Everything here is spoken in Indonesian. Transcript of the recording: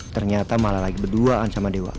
ternyata malah lagi berduaan sama dewa